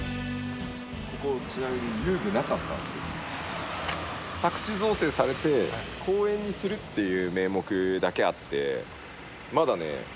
ここちなみに宅地造成されて公園にするっていう名目だけあってまだね